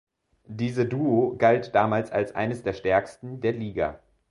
Diese Duo galt damals als eines der stärksten der Liga.